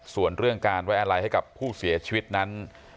ส่วนเรื่องการไว้อะไรให้กับผู้เสียชีวิตนั้น